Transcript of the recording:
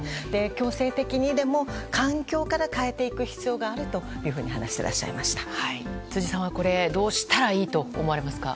強制的にでも環境から変えていく必要があると辻さんはこれどうしたらいいと思いますか。